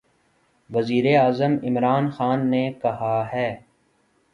وزیراعظم عمران خان نے کہا ہے